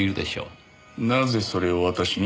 なぜそれを私に？